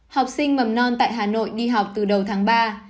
học sinh mầm non tại hà nội đi học từ đầu tháng ba